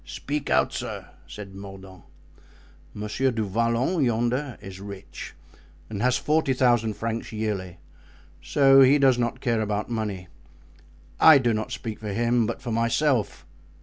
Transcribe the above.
"Speak out, sir," said Mordaunt. "Monsieur du Vallon, yonder, is rich and has forty thousand francs yearly, so he does not care about money. I do not speak for him, but for myself."